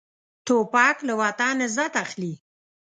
توپک له وطن عزت اخلي.